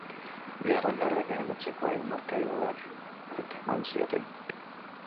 Bigarren laurdenean etxekoek markagailuari buelta eman zioten.